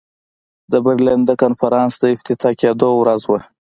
د برلین د کنفرانس د افتتاح کېدلو ورځ وه.